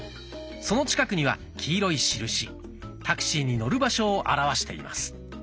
その近くには黄色い印タクシーに乗る場所を表しています。